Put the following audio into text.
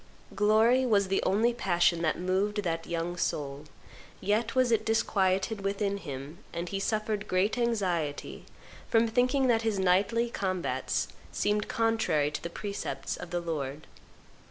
Glory was the only passion that moved that young soul; yet was it disquieted within him, and he suffered great anxiety from thinking that his knightly combats seemed contrary to the precepts of the Lord.